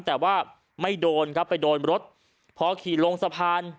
แต่ว่าไม่โดนครับไปโดนรถพอขี่ลงสะพาน